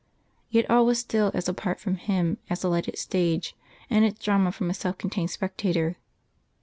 Yet all was still as apart from him as a lighted stage and its drama from a self contained spectator.